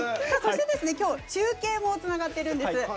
きょう、中継もつながっているんです。